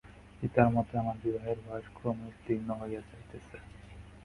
পিতার মতে আমার বিবাহের বয়স ক্রমে উত্তীর্ণ হইয়া যাইতেছে।